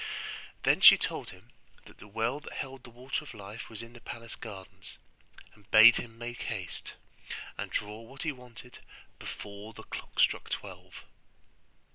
Then she told him that the well that held the Water of Life was in the palace gardens; and bade him make haste, and draw what he wanted before the clock struck twelve.